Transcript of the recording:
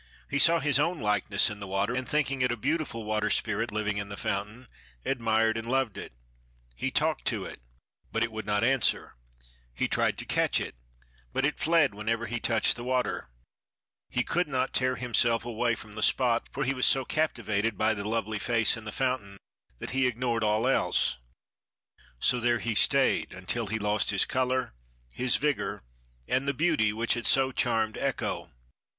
He saw his own likeness in the water and, thinking it a beautiful water spirit living in the fountain, admired and loved it. He talked to it, but it would not answer; he tried to catch it, but it fled whenever he touched the water. He could not tear himself away from the spot, for he was so captivated by the lovely face in the fountain that he ignored all else. So there he stayed until he lost his color, his vigor, and the beauty which had so charmed Echo.